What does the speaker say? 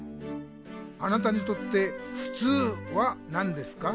あなたにとって「ふつう」は何ですか？